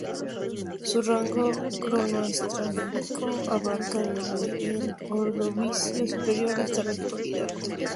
Su rango cronoestratigráfico abarca desde el Ordovícico superior hasta la Actualidad.